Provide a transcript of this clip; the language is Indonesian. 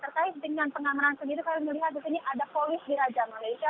terkait dengan pengamanan sendiri kami melihat di sini ada polis di raja malaysia